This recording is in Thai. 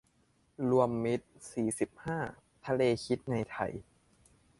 รวมมิตร ยี่สิบห้า ทะเลฮิตในไทย